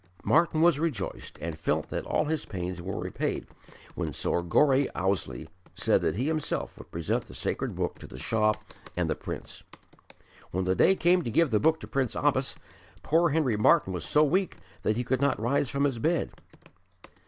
Martyn was rejoiced, and felt that all his pains were repaid when Sir Gore Ouseley said that he himself would present the Sacred Book to the Shah and the Prince. When the day came to give the book to Prince Abbas, poor Henry Martyn was so weak that he could not rise from his bed.